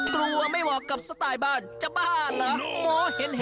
อ๋อกลัวไม่วอกกับสไตล์บ้านจะบ้านเหรอโอ้เห็น